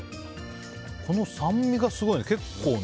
この酸味がすごいね、結構。